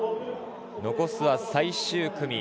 残すは最終組。